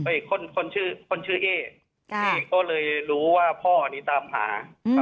อีกคนคนชื่อคนชื่อเอ๊ก็เลยรู้ว่าพ่ออันนี้ตามหา